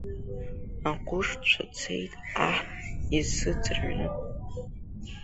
Аҟәышцәа цеит аҳ изыӡырҩны.